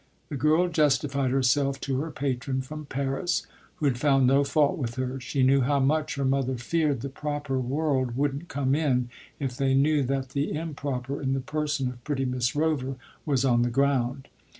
The girl justified herself to her patron from Paris, who had found no fault with her; she knew how much her mother feared the proper world wouldn't come in if they knew that the improper, in the person of pretty Miss Rover, was on the ground.